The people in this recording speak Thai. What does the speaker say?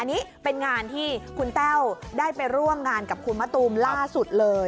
อันนี้เป็นงานที่คุณแต้วได้ไปร่วมงานกับคุณมะตูมล่าสุดเลย